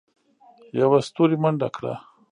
یوه ستوري منډه کړه.